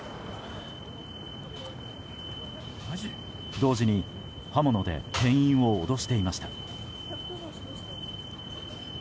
同時に刃物で店員を脅していました。